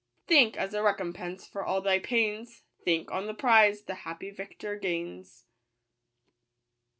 Think, as a recompense for all thy pains — Think on the prize the happy victor gains.